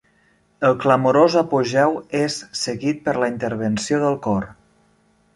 El clamorós apogeu és seguit per la intervenció del cor.